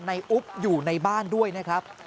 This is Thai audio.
อุ๊บอยู่ในบ้านด้วยนะครับ